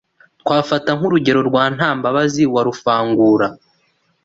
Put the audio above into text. Twafata nk’urugero rwa Ntambabazi wa Rufangura